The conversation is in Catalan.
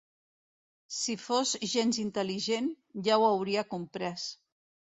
Si fos gens intel·ligent, ja ho hauria comprès.